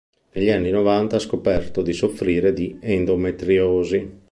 Negli anni novanta ha scoperto di soffrire di endometriosi.